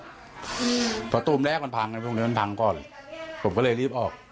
เพราะตูมแรกมันพังกันตรงนี้มันพังก่อนผมก็เลยรีบออก